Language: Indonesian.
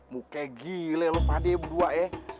mukanya gila lu padanya berdua ya